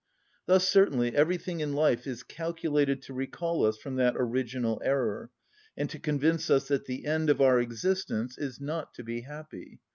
Thus certainly everything in life is calculated to recall us from that original error, and to convince us that the end of our existence is not to be happy.